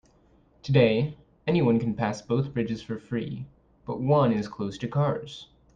Today, anyone can pass both bridges for free, but one is closed to cars.